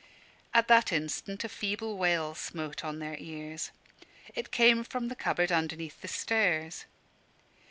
At that instant a feeble wail smote on their ears. It came from the cupboard underneath the stairs.